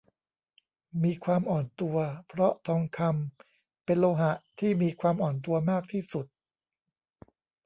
มีความอ่อนตัว เพราะทองคำเป็นโลหะที่มีความอ่อนตัวมากที่สุด